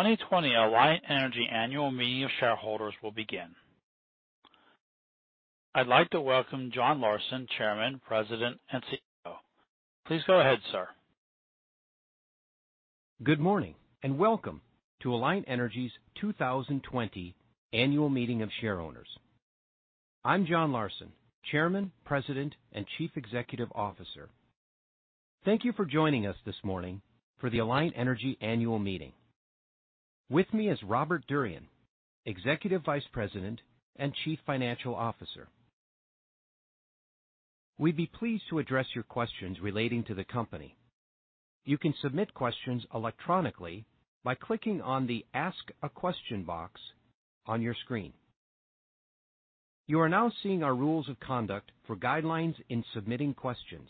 The 2020 Alliant Energy annual meeting of shareholders will begin. I'd like to welcome John Larsen, Chairman, President, and CEO. Please go ahead, sir. Good morning, and welcome to Alliant Energy's 2020 annual meeting of shareowners. I'm John Larsen, Chairman, President, and Chief Executive Officer. Thank you for joining us this morning for the Alliant Energy annual meeting. With me is Robert Durian, Executive Vice President and Chief Financial Officer. We'd be pleased to address your questions relating to the company. You can submit questions electronically by clicking on the Ask a Question box on your screen. You are now seeing our rules of conduct for guidelines in submitting questions.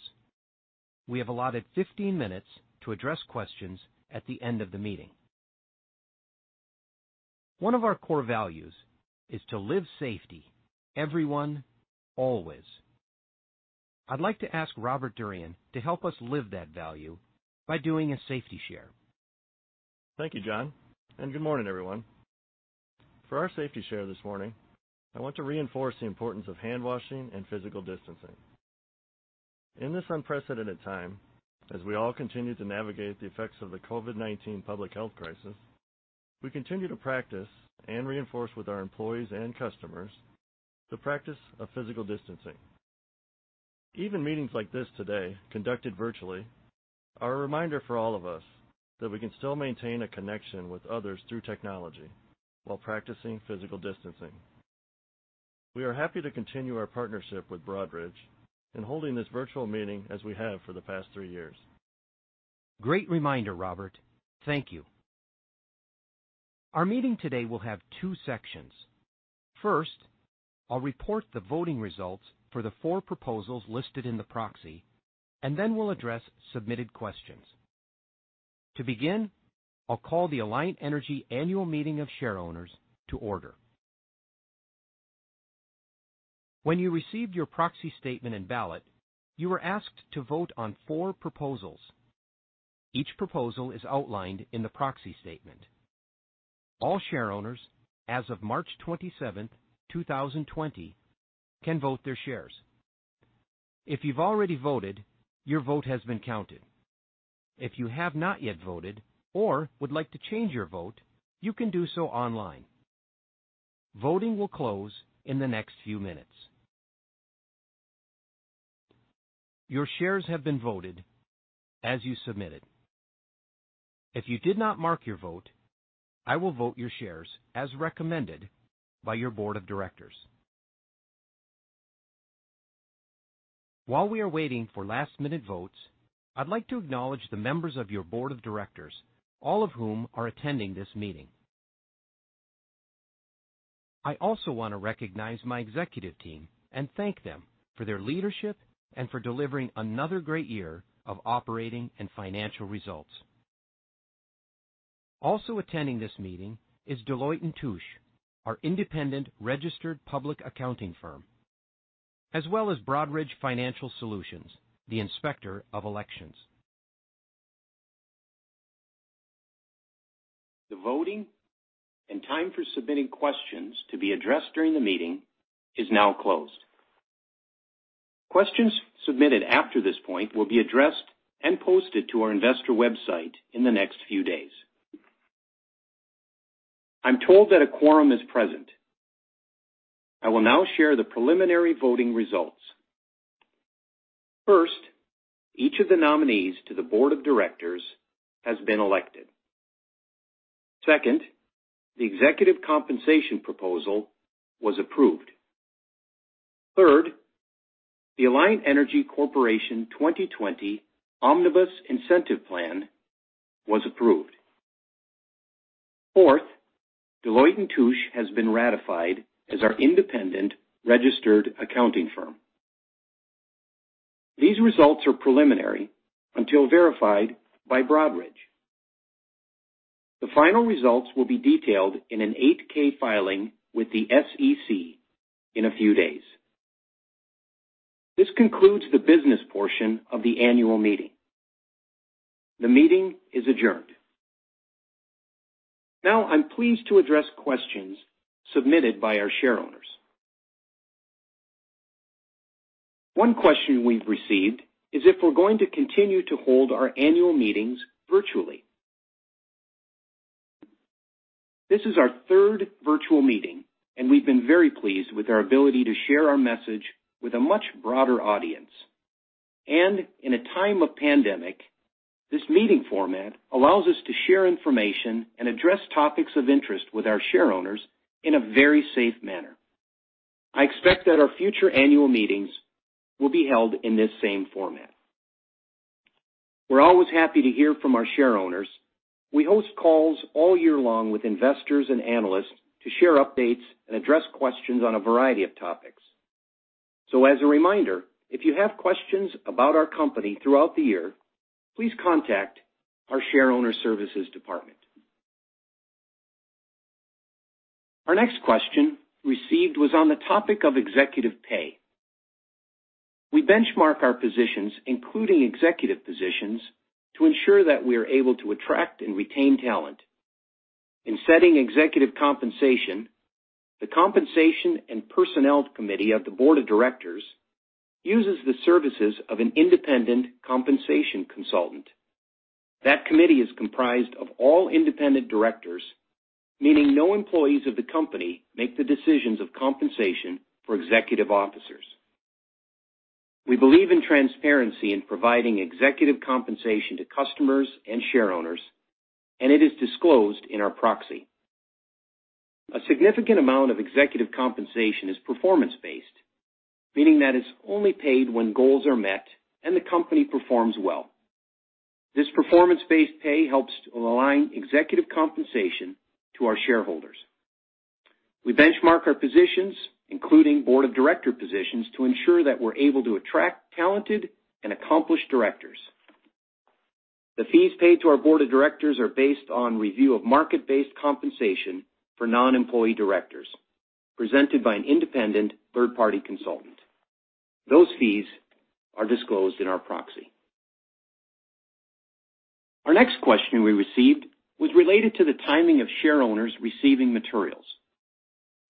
We have allotted 15 minutes to address questions at the end of the meeting. One of our core values is to live safety, everyone, always. I'd like to ask Robert Durian to help us live that value by doing a safety share. Thank you, John, and good morning, everyone. For our safety share this morning, I want to reinforce the importance of handwashing and physical distancing. In this unprecedented time, as we all continue to navigate the effects of the COVID-19 public health crisis, we continue to practice and reinforce with our employees and customers the practice of physical distancing. Even meetings like this today, conducted virtually, are a reminder for all of us that we can still maintain a connection with others through technology while practicing physical distancing. We are happy to continue our partnership with Broadridge in holding this virtual meeting as we have for the past three years. Great reminder, Robert. Thank you. Our meeting today will have two sections. First, I'll report the voting results for the four proposals listed in the proxy, and then we'll address submitted questions. To begin, I'll call the Alliant Energy annual meeting of shareowners to order. When you received your proxy statement and ballot, you were asked to vote on four proposals. Each proposal is outlined in the proxy statement. All shareowners as of March 27th, 2020, can vote their shares. If you've already voted, your vote has been counted. If you have not yet voted or would like to change your vote, you can do so online. Voting will close in the next few minutes. Your shares have been voted as you submitted. If you did not mark your vote, I will vote your shares as recommended by your board of directors. While we are waiting for last-minute votes, I'd like to acknowledge the members of your board of directors, all of whom are attending this meeting. I also want to recognize my executive team and thank them for their leadership and for delivering another great year of operating and financial results. Also attending this meeting is Deloitte & Touche, our independent registered public accounting firm, as well as Broadridge Financial Solutions, the inspector of elections. The voting and time for submitting questions to be addressed during the meeting is now closed. Questions submitted after this point will be addressed and posted to our investor website in the next few days. I'm told that a quorum is present. I will now share the preliminary voting results. First, each of the nominees to the board of directors has been elected. Second, the executive compensation proposal was approved. Third, the Alliant Energy Corporation 2020 Omnibus Incentive Plan was approved. Fourth, Deloitte & Touche has been ratified as our independent registered accounting firm. These results are preliminary until verified by Broadridge. The final results will be detailed in an 8-K filing with the SEC in a few days. This concludes the business portion of the annual meeting. The meeting is adjourned. I'm pleased to address questions submitted by our shareowners. One question we've received is if we're going to continue to hold our annual meetings virtually. This is our third virtual meeting, and we've been very pleased with our ability to share our message with a much broader audience. In a time of pandemic, this meeting format allows us to share information and address topics of interest with our shareowners in a very safe manner. I expect that our future annual meetings will be held in this same format. We're always happy to hear from our shareowners. We host calls all year long with investors and analysts to share updates and address questions on a variety of topics. As a reminder, if you have questions about our company throughout the year, please contact our Shareowner Services Department. Our next question received was on the topic of executive pay. We benchmark our positions, including executive positions, to ensure that we are able to attract and retain talent. In setting executive compensation, the Compensation and Personnel Committee of the Board of Directors uses the services of an independent compensation consultant. That committee is comprised of all independent directors, meaning no employees of the company make the decisions of compensation for executive officers. We believe in transparency in providing executive compensation to customers and shareowners, and it is disclosed in our proxy. A significant amount of executive compensation is performance-based, meaning that it's only paid when goals are met and the company performs well. This performance-based pay helps to align executive compensation to our shareholders. We benchmark our positions, including board of director positions, to ensure that we're able to attract talented and accomplished directors. The fees paid to our board of directors are based on review of market-based compensation for non-employee directors, presented by an independent third-party consultant. Those fees are disclosed in our proxy. Our next question we received was related to the timing of shareowners receiving materials.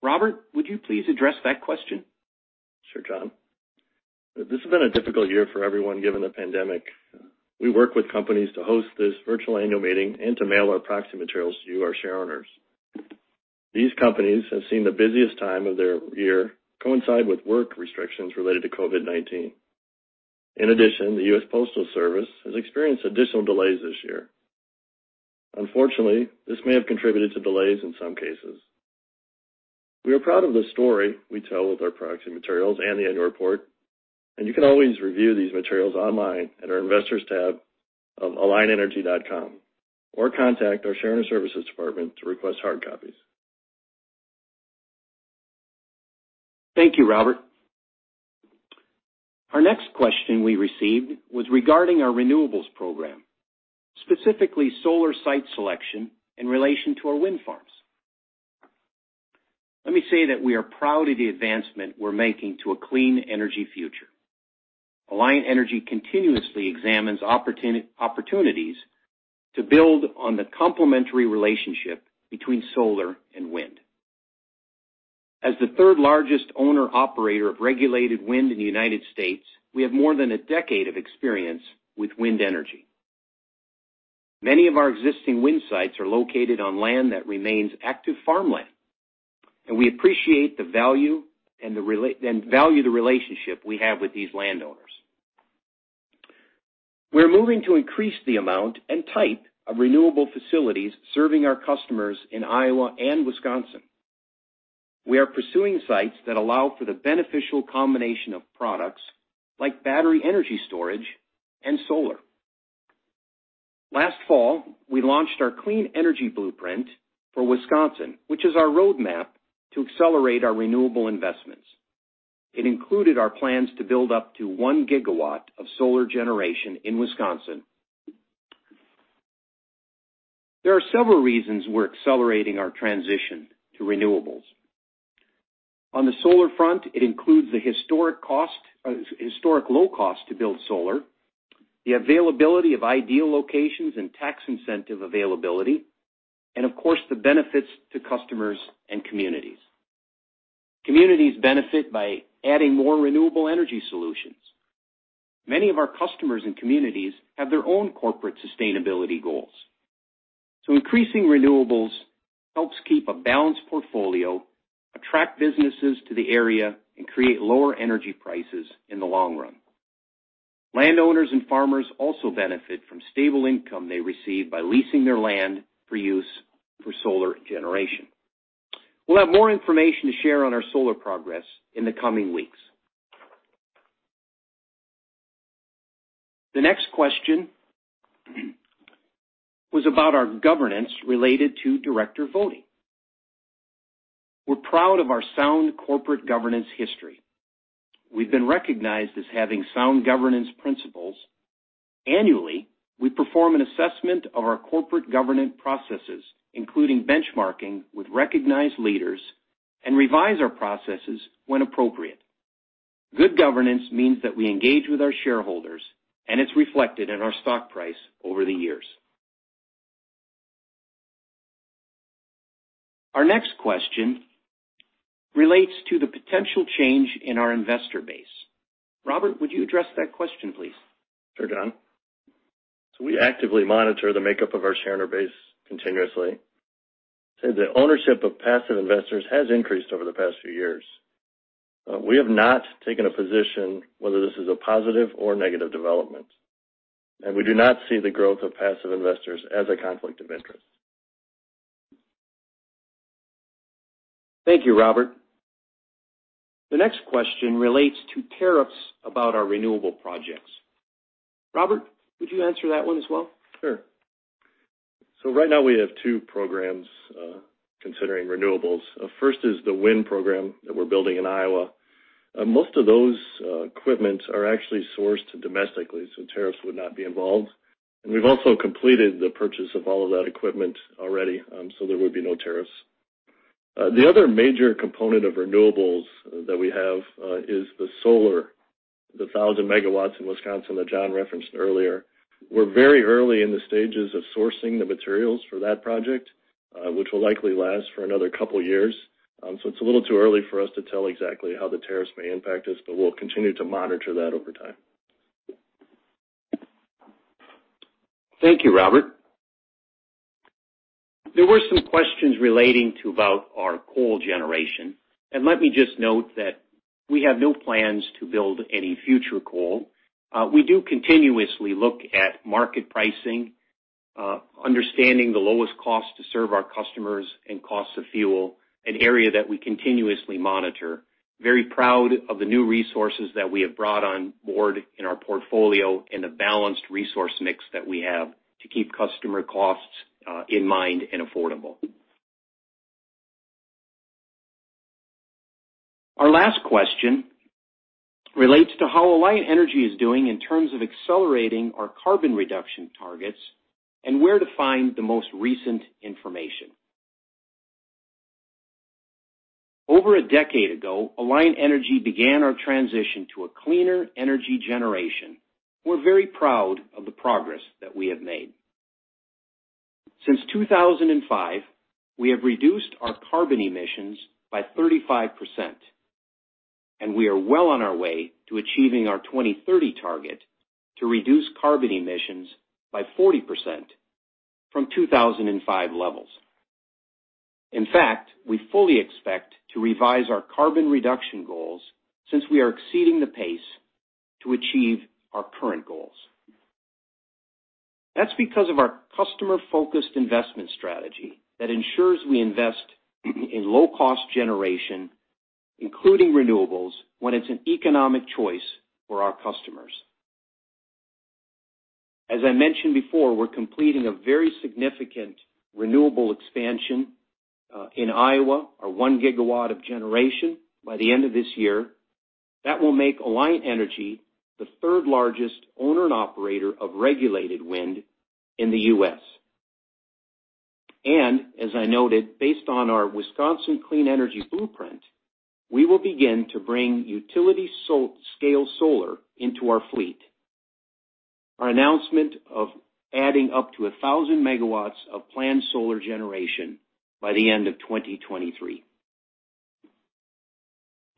Robert, would you please address that question? Sure, John. This has been a difficult year for everyone, given the pandemic. We work with companies to host this virtual annual meeting and to mail our proxy materials to you, our shareowners. These companies have seen the busiest time of their year coincide with work restrictions related to COVID-19. In addition, the US Postal Service has experienced additional delays this year. Unfortunately, this may have contributed to delays in some cases. We are proud of the story we tell with our proxy materials and the annual report. You can always review these materials online at our Investors tab of alliantenergy.com, or contact our Shareowner Services department to request hard copies. Thank you, Robert. Our next question we received was regarding our renewables program, specifically solar site selection in relation to our wind farms. Let me say that we are proud of the advancement we're making to a clean energy future. Alliant Energy continuously examines opportunities to build on the complementary relationship between solar and wind. As the third-largest owner-operator of regulated wind in the U.S., we have more than a decade of experience with wind energy. Many of our existing wind sites are located on land that remains active farmland, and we appreciate and value the relationship we have with these landowners. We're moving to increase the amount and type of renewable facilities serving our customers in Iowa and Wisconsin. We are pursuing sites that allow for the beneficial combination of products, like battery energy storage and solar. Last fall, we launched our Clean Energy Blueprint for Wisconsin, which is our roadmap to accelerate our renewable investments. It included our plans to build up to one gigawatt of solar generation in Wisconsin. There are several reasons we're accelerating our transition to renewables. On the solar front, it includes the historic low cost to build solar, the availability of ideal locations and tax incentive availability. Of course, the benefits to customers and communities. Communities benefit by adding more renewable energy solutions. Many of our customers and communities have their own corporate sustainability goals. Increasing renewables helps keep a balanced portfolio, attract businesses to the area, and create lower energy prices in the long run. Landowners and farmers also benefit from stable income they receive by leasing their land for use for solar generation. We'll have more information to share on our solar progress in the coming weeks. The next question was about our governance related to director voting. We're proud of our sound corporate governance history. We've been recognized as having sound governance principles. Annually, we perform an assessment of our corporate governance processes, including benchmarking with recognized leaders, and revise our processes when appropriate. Good governance means that we engage with our shareholders, and it's reflected in our stock price over the years. Our next question relates to the potential change in our investor base. Robert, would you address that question, please? Sure, John. We actively monitor the makeup of our shareowner base continuously. The ownership of passive investors has increased over the past few years. We have not taken a position whether this is a positive or negative development, and we do not see the growth of passive investors as a conflict of interest. Thank you, Robert. The next question relates to tariffs about our renewable projects. Robert, would you answer that one as well? Sure. Right now we have two programs considering renewables. First is the wind program that we're building in Iowa. Most of those equipment are actually sourced domestically, so tariffs would not be involved. We've also completed the purchase of all of that equipment already, so there would be no tariffs. The other major component of renewables that we have is the solar, the 1,000 MW in Wisconsin that John referenced earlier. We're very early in the stages of sourcing the materials for that project, which will likely last for another couple of years. It's a little too early for us to tell exactly how the tariffs may impact us, but we'll continue to monitor that over time. Thank you, Robert. There were some questions relating to about our coal generation. Let me just note that we have no plans to build any future coal. We do continuously look at market pricing, understanding the lowest cost to serve our customers and cost of fuel, an area that we continuously monitor. Very proud of the new resources that we have brought on board in our portfolio and the balanced resource mix that we have to keep customer costs in mind and affordable. Our last question relates to how Alliant Energy is doing in terms of accelerating our carbon reduction targets and where to find the most recent information. Over a decade ago, Alliant Energy began our transition to a cleaner energy generation. We're very proud of the progress that we have made. Since 2005, we have reduced our carbon emissions by 35%, and we are well on our way to achieving our 2030 target to reduce carbon emissions by 40% from 2005 levels. In fact, we fully expect to revise our carbon reduction goals since we are exceeding the pace to achieve our current goals. That's because of our customer-focused investment strategy that ensures we invest in low-cost generation, including renewables, when it's an economic choice for our customers. As I mentioned before, we're completing a very significant renewable expansion in Iowa, our 1 GW of generation, by the end of this year. That will make Alliant Energy the third-largest owner and operator of regulated wind in the U.S. As I noted, based on our Wisconsin Clean Energy Blueprint, we will begin to bring utility scale solar into our fleet. Our announcement of adding up to 1,000 MW of planned solar generation by the end of 2023.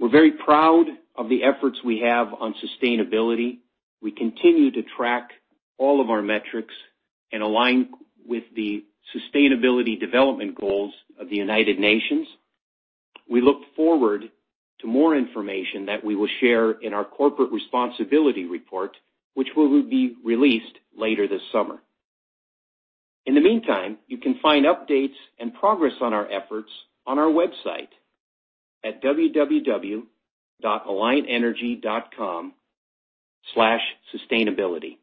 We're very proud of the efforts we have on sustainability. We continue to track all of our metrics and align with the Sustainable Development Goals of the United Nations. We look forward to more information that we will share in our corporate responsibility report, which will be released later this summer. In the meantime, you can find updates and progress on our efforts on our website at www.alliantenergy.com/sustainability.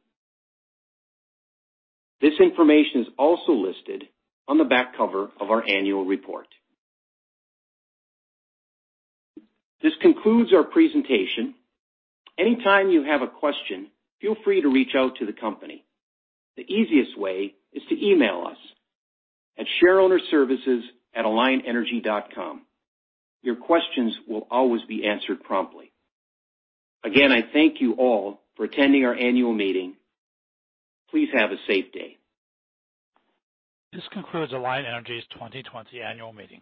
This information is also listed on the back cover of our annual report. This concludes our presentation. Anytime you have a question, feel free to reach out to the company. The easiest way is to email us at shareownerservices@alliantenergy.com. Your questions will always be answered promptly. Again, I thank you all for attending our annual meeting. Please have a safe day. This concludes Alliant Energy's 2020 annual meeting.